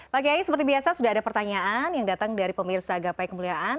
pak kiai seperti biasa sudah ada pertanyaan yang datang dari pemirsa gapai kemuliaan